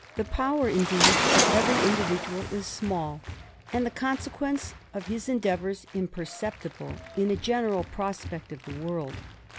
The power, indeed, of every individual is small, and the consequence of his endeavours imperceptible in a ^ general prospect of the world.